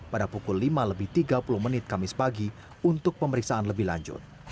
pada pukul lima lebih tiga puluh menit kamis pagi untuk pemeriksaan lebih lanjut